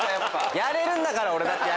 やれるんだから俺だって。